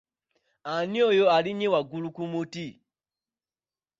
Ani oyo alinnye waggulu ku muti?